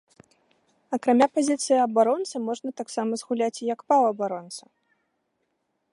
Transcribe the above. Акрамя пазіцыі абаронцы можа таксама згуляць і як паўабаронца.